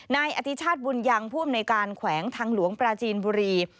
นายอธิชาติบุญยังผู้อำนวยการแขวงทางหลวงปราจีนบุรี